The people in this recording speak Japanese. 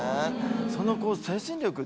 その精神力って。